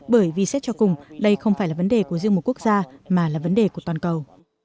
bởi vì xét cho cùng đây không phải là vấn đề của riêng một quốc gia mà là vấn đề của toàn cầu